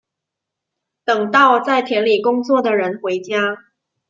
等到在田里工作的人回家